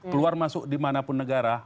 keluar masuk dimanapun negara